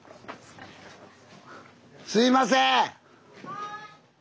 すいません！